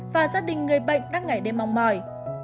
và gia đình người bệnh đang ngày đêm mong mỏi